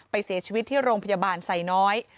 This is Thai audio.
เสียชีวิตที่โรงพยาบาลไซน้อย